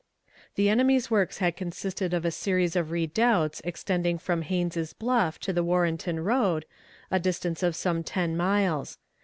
The enemy's works had consisted of a series of redoubts extending from Haines' Bluff to the Warrenton road, a distance of some ten miles.